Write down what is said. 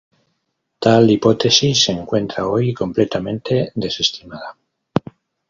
Tal hipótesis se encuentra hoy completamente desestimada.